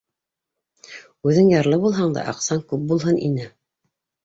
Үҙең ярлы булһаң да, аҡсаң күп булһын ине.